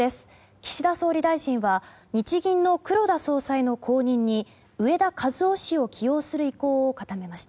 岸田総理大臣は日銀の黒田総裁の後任に植田和男氏を起用する意向を固めました。